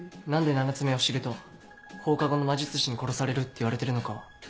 何で７つ目を知ると放課後の魔術師に殺されるっていわれてるのかは？